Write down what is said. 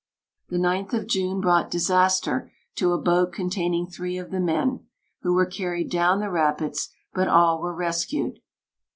The 9th of June brought disaster to a boat containing three of the men, who were carried down the rapids, but all were rescued.